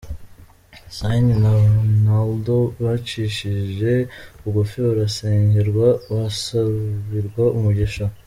Ciney na Ronald bicishije bugufi barasengerwa basabirwa umugisha.